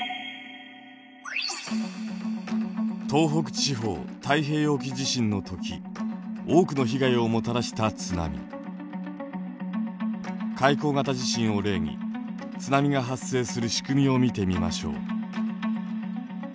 東北地方太平洋沖地震の時多くの被害をもたらした海溝型地震を例に津波が発生するしくみを見てみましょう。